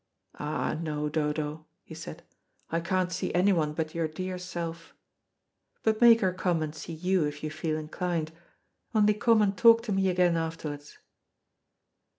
"Ah no, Dodo," he said, "I can't see anyone but your dear self. But make her come and see you if you feel inclined, only come and talk to me again afterwards."